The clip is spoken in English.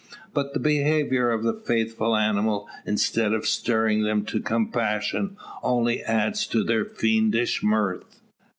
But the behaviour of the faithful animal, instead of stirring them to compassion, only adds to their fiendish mirth.